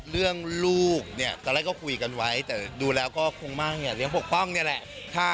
เรื่องลูกเนี่ยตอนแรกก็คุยกันไว้แต่ดูแล้วก็คงมากอยู่นี่เรียนปกป้องเนี่ยแหละ